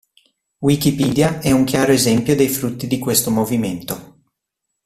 Wikipedia è un chiaro esempio dei frutti di questo movimento.